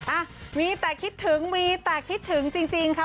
อ่ะมีแต่คิดถึงมีแต่คิดถึงจริงค่ะ